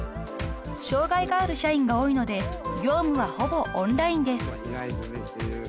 ［障害がある社員が多いので業務はほぼオンラインです］